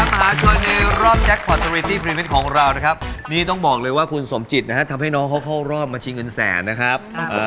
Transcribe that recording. สวัสดีครับคุณสมจิตทำให้เขาเข้ารอบมาชี้เงินแสนนะครับ